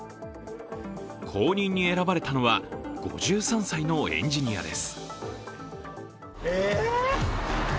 後任に選ばれたのは５３歳のエンジニアです。